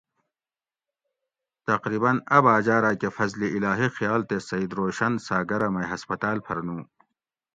تقریباً اۤ باجا راۤ کہ فضل اِلٰہی خیا۟ل تے سعید روشن سا۟گرہ مئ ھسپتال پھر نو